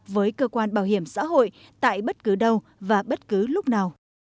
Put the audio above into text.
với cơ quan bảo hiểm xã hội tại bất cứ đâu và bất cứ lúc nào